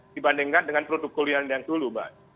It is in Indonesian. dibandingkan dengan produk kuliah yang dulu mbak